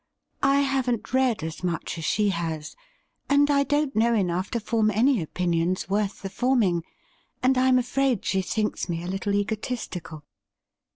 I haven't read as much as she has, and I don't know enough to form any opinions worth the forming, and I am afraid she thinks me a little egotistical.'